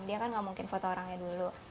dia kan nggak mungkin foto orangnya dulu